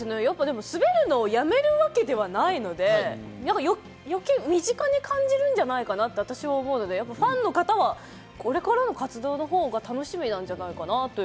滑るのをやめるわけではないので、余計に身近に感じるんじゃないかなと私は思うので、ファンの方はこれからの活動のほうが楽しみなんじゃないかなと。